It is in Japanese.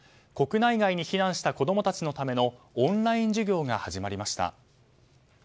国内外に避難した子供たちのためのオンライン授業が始まりました。